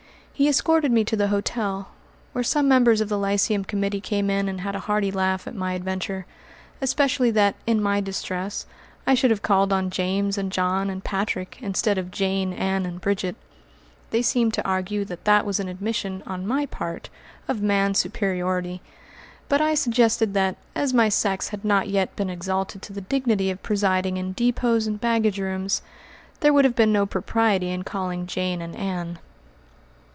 He escorted me to the hotel, where some members of the Lyceum Committee came in and had a hearty laugh at my adventure, especially that, in my distress, I should have called on James and John and Patrick, instead of Jane, Ann, and Bridget. They seemed to argue that that was an admission, on my part, of man's superiority, but I suggested that, as my sex had not yet been exalted to the dignity of presiding in depots and baggage rooms, there would have been no propriety in calling Jane and Ann. Mt.